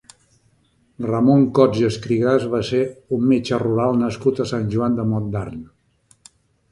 Ramon Cots i Escrigas va ser un metge rural nascut a Sant Joan de Montdarn.